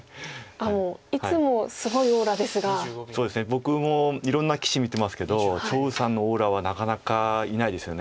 僕もいろんな棋士見てますけど張栩さんのオーラはなかなかいないですよね。